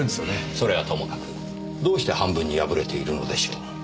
それはともかくどうして半分に破れているのでしょう。